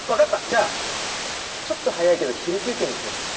じゃあちょっと早いけど昼休憩にしよう。